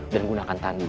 dan gunakan tandu